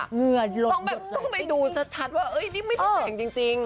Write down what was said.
เหงื่อหลดหยดต้องไปดูชัดว่าเอ๊ยนี่ไม่ได้แข็งจริง